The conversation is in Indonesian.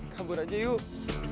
kabur aja yuk